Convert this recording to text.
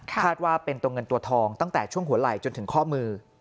ว่าเป็นตัวเงินตัวทองตั้งแต่ช่วงหัวไหล่จนถึงข้อมือ